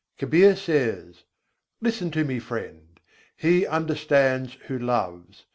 Kabîr says: "Listen to me, friend: he understands who loves.